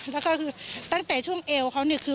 แล้วก็คือตั้งแต่ช่วงเอวเขาเนี่ยคือ